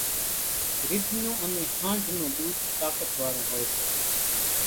رِڍ نون انين ۿانڍ نون ۮوڌ طاقت وارون هوئيَ سي۔